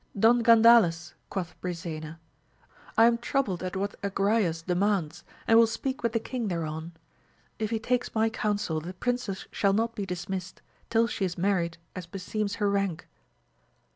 Don Gandales, quoth Brisena, I am troubled at what Agrayes demands, and will speak with the king thereon ; if he takes my counsel the princess shall not be dismissed, till she is married as beseems her rank.